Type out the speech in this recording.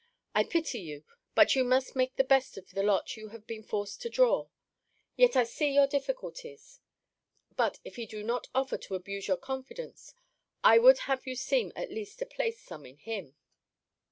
I pity you but you must make the best of the lot you have been forced to draw. Yet I see your difficulties. But, if he do not offer to abuse your confidence, I would have you seem at least to place some in him.